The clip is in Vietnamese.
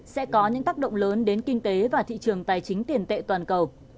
sẽ có những tác động lớn đến kinh tế và thị trường tài chính tiền tệ toàn cầu